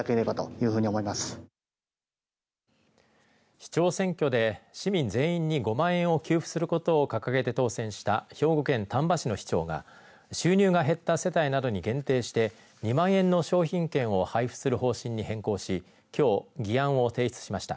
市長選挙で市民全員に５万円を給付することを掲げて当選した兵庫県丹波市の市長が収入が減った世帯などに限定して２万円の商品券を配布する方針に変更しきょう、議案を提出しました。